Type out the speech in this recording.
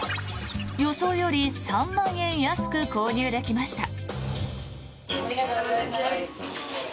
予想より３万円安く購入できました。